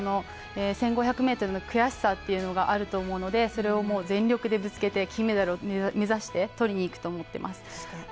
１０００ｍは１５００ｍの悔しさがあると思うのでそれを全力でぶつけて金メダルを目指してとりにいくと思っています